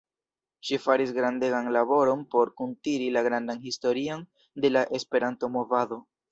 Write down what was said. Ŝi faris grandegan laboron por kuntiri la grandan historion de la Esperanto-movado.